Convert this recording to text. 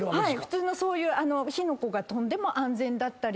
普通のそういう火の粉が飛んでも安全だったり。